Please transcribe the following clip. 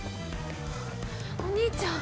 お兄ちゃん。